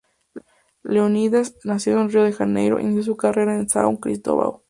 Leónidas, nacido en Rio de Janeiro, inicio su carrera en São Cristóvão.